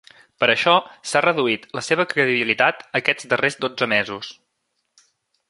Per això s'ha reduït la seva credibilitat aquests darrers dotze mesos.